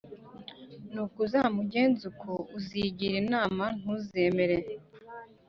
Nuko uzamugenze uko uzigira inama ntuzemere